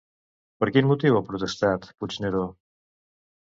Per quin motiu ha protestat, Puigneró?